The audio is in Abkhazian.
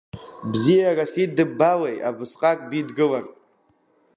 Бзиарас идыббалеи абысҟак бидгылартә?